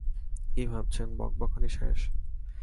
কী ভাবছেন, বকবকানি শেষ?